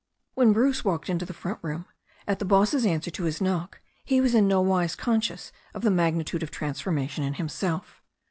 When Bruce walked into the front room at the boss's answer to his knock he was in nowise conscious of the mag nitude of the transformation in himself.